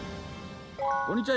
こんにちは。